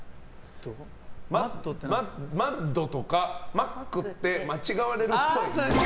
マッドとかマックって間違われるっぽい。